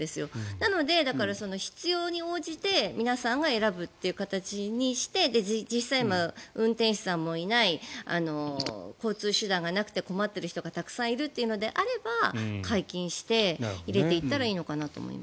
なので、必要に応じて皆さんが選ぶという形にして実際、運転手さんもいない交通手段がなくて困っている人がたくさんいるというのであれば解禁して、入れていったらいいのかなと思います。